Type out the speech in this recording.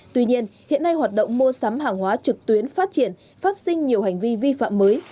tuy nhiên hiện nay hoạt động mua sắm hàng hóa trực tuyến phát triển phát sinh nhiều hành vi vi phạm mới